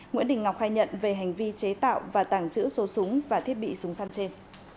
nguyễn đình ngọc khai nhận về hành vi chế tạo và tàng trữ số súng và thiết bị súng săn trên